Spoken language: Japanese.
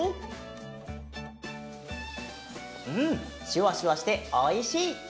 シュワシュワしておいしい！